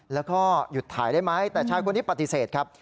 แล้วก็หยุดถ่ายได้ไหมแต่ชายคนนี้ปฏิเสธครับ